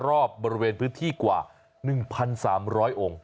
รอบบริเวณพื้นที่กว่า๑๓๐๐องค์